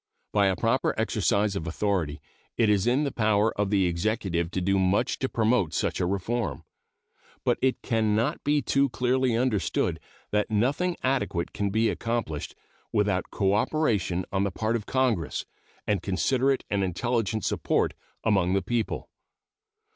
By a proper exercise of authority it is in the power of the Executive to do much to promote such a reform. But it can not be too clearly understood that nothing adequate can be accomplished without cooperation on the part of Congress and considerate and intelligent support among the people.